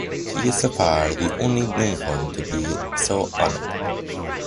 He is so far the only Longhorn to be so honored.